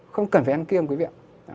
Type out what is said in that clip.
không cần phải ăn kiêng quý vị ạ